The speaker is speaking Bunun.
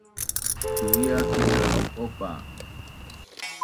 Tu’iakin na op’op qa